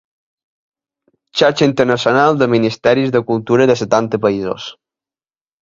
Xarxa internacional de ministeris de cultura de setanta països.